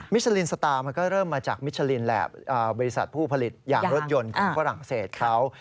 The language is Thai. สลินสตาร์มันก็เริ่มมาจากมิชลินแหละบริษัทผู้ผลิตยางรถยนต์ของฝรั่งเศสเขา